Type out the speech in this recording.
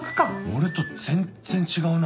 俺と全っ然違うな。